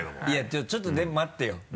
いやちょっとでも待ってよ